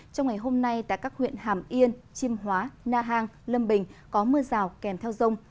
trong ngày hôm nay tại các huyện hàm yên chim hóa na hàng lâm bình có mưa rào kèm theo rông